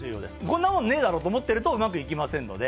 こんなもんねーだろと思ってるとうまくいきませんので。